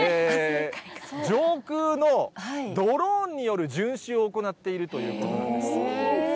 上空のドローンによる巡視を行っているということなんです。